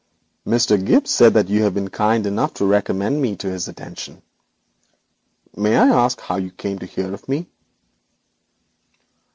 'Mr. Gibbes said you had been kind enough to recommend me to his attention. May I ask how you came to hear of me?'